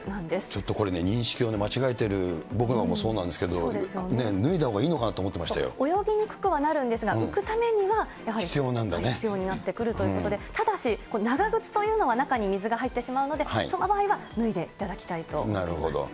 ちょっとこれね、認識を間違えてる、僕らもそうなんですけど、脱いだほうがいいのかなと思って泳ぎにくくはなるんですが、浮くためにはやはり必要になってくるということで、ただし、長靴というのは中に水が入ってしまうので、その場合は脱いでいただきたいということです。